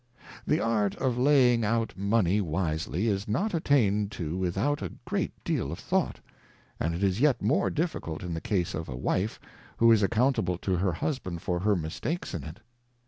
The Art of laying out Money wisely, is not attained to without a great deal of thought ; and it is yet more difficult in the Case of a Wife, who is accountable to her Husband for her mistakes in it.